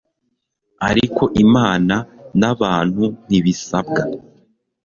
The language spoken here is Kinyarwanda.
ariko imana n'abantu ntibisabwa